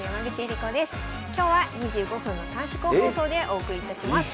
今日は２５分の短縮放送でお送りいたします。